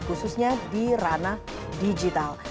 khususnya di ranah digital